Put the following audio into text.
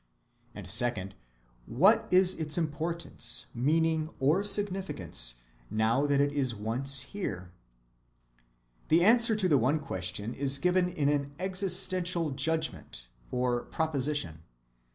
And second, What is its importance, meaning, or significance, now that it is once here? The answer to the one question is given in an existential judgment or proposition.